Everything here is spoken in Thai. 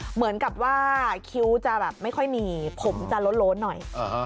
เหมือนกับว่าคิ้วจะแบบไม่ค่อยมีผมจะล้นหน่อย